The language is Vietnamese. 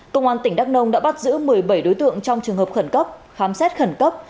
công an tỉnh đắk nông đã bắt giữ một mươi bảy đối tượng trong trường hợp khẩn cấp khám xét khẩn cấp